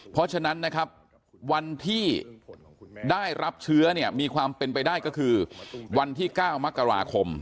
เพราะฉะนั้นนะครับวันที่ได้รับเชื้อเนี่ยมีความเป็นไปได้ก็คือวันที่๙มกราคม